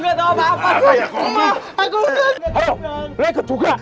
gua gak tau apa apa